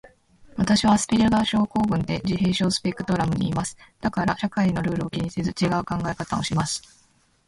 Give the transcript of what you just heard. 私はアスペルガー症候群で、自閉症スペクトラムにいます。だから社会のルールを気にせず、ちがう考え方をします。